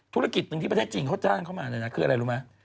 ธุรกิจนึงที่ประชาชน์จริงเขาก็จะเข้ามานะ